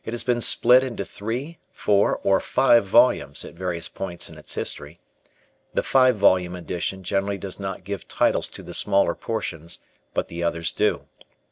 It has been split into three, four, or five volumes at various points in its history. The five volume edition generally does not give titles to the smaller portions, but the others do.